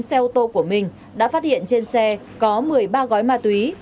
xe ô tô của minh đã phát hiện trên xe có một mươi ba gói ma túy